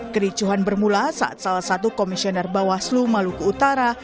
kericuhan bermula saat salah satu komisioner bawaslu maluku utara